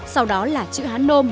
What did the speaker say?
sau đó là chữ hán nôm